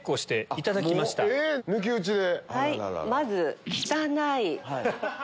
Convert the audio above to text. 抜き打ちで。